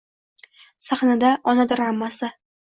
Sahnada Ona dramasi